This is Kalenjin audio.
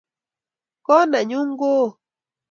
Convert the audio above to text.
kot nenyu ko oo